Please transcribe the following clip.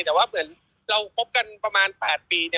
แต่ว่าเหมือนเราคบกันประมาณ๘ปี